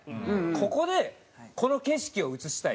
「ここでこの景色を映したい」。